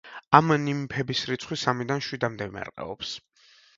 ამ ნიმფების რიცხვი სამიდან შვიდამდე მერყეობს.